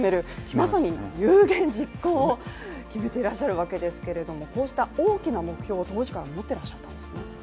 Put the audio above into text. まさに有言実行を決めていらっしゃるわけですけれども、こうした大きな目標を当時から持っていらっしゃったんですね。